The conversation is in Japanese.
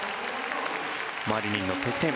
マリニンの得点